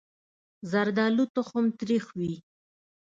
زردالو تخم تریخ وي.